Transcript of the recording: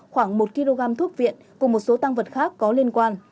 khoảng một kg thuốc viện cùng một số tăng vật khác có liên quan